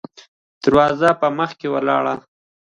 د دروازې په مخکې ولاړ يې.